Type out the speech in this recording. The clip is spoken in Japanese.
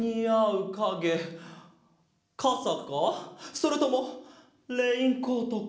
それともレインコートか？